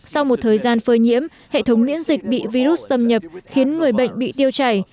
sau một thời gian phơi nhiễm hệ thống miễn dịch bị virus xâm nhập khiến người bệnh bị tiêu chảy